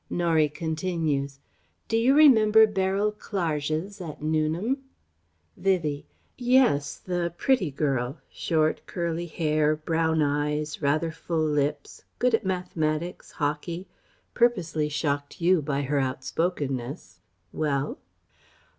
Norie continues: "Do you remember Beryl Clarges at Newnham?" Vivie: "Yes the pretty girl short, curly hair, brown eyes, rather full lips, good at mathematics hockey ... purposely shocked you by her outspokenness well?"